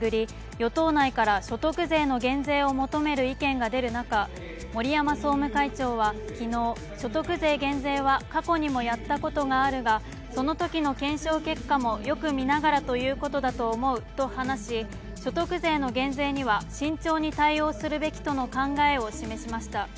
与党内から所得税減税を求める意見が出る中、森山総務会長は昨日、所得税減税は過去にもやったことがあるがそのときの検証結果もよく見ながらということだと思うと話し、所得税の減税には慎重に対応するべきとの考えを示しました。